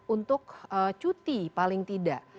untuk cuti paling tidak